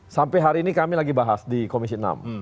sampai hari ini kami lagi bahas di komisi enam